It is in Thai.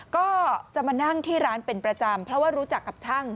ก็จะมานั่งที่ร้านเป็นประจำเพราะว่ารู้จักกับช่าง